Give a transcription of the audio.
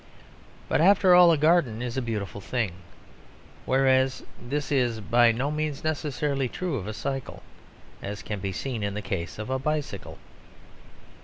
But, after all, a garden is a beautiful thing; whereas this is by no means necessarily true of a cycle, as can be seen in the case of a bicycle.